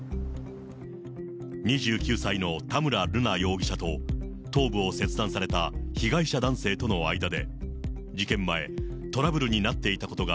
２９歳の田村瑠奈容疑者と、頭部を切断された被害者男性との間で、事件前、トラブルになっていたことが、